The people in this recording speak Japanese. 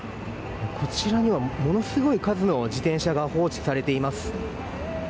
こちらでは、ものすごい数の自転車が放置されています。